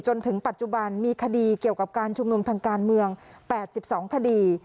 จนถึงปัจจุบันมีคดีเกี่ยวกับการชุมนุมทางการเมือง๘๒คดี